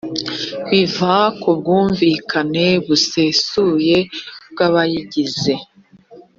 biva ku bwumvikane busesuye bw’abayigize